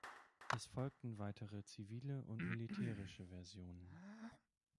Es folgten weitere zivile und militärische Versionen.